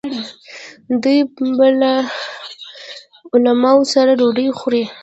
دوی به له علماوو سره ډوډۍ خوړه.